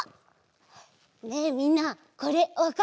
ねえみんなこれわかる？